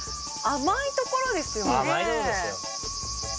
甘いとこですよ。